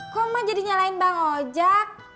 kok mah jadi nyalain bang ojek